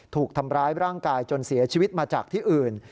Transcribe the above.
ถูกทำร้ายร่างกายจนเสียชีวิตมาจากที่อื่น